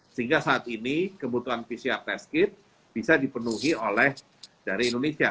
sehingga saat ini kebutuhan pcr test kit bisa dipenuhi oleh dari indonesia